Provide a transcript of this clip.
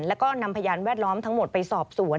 แล้วก็นำพยานแวดล้อมทั้งหมดไปสอบสวน